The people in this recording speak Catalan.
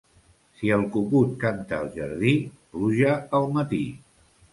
Si el cucut canta al jardí, pluja al matí.